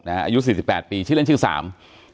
อายุ๔๘ปีเราเล่นชื่อสาม